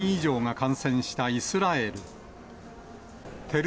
８３万人以上が感染したイスラエル。